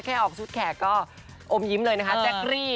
แค่ออกชุดแขกก็อมยิ้มเลยนะคะ